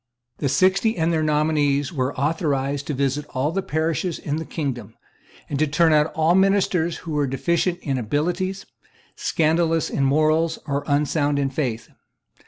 The Sixty and their nominees were authorised to visit all the parishes in the kingdom, and to turn out all ministers who were deficient in abilities, scandalous in morals, or unsound in faith.